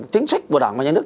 chính sách của đảng và nhà nước